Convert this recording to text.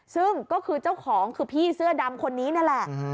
ซึ่งก็คือเจ้าของคือพี่เสื้อดำคนนี้นั่นแหละ